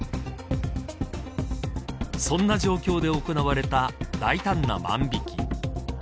そんな状況で行われた大胆な万引。